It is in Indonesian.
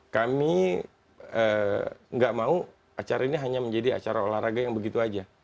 kami nggak mau acara ini hanya menjadi acara olahraga yang begitu saja